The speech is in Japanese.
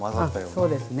そうですね。